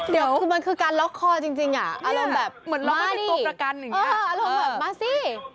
เดี๋ยวมันคือการล็อกคอจริงอ่ะอารมณ์แบบมาสิ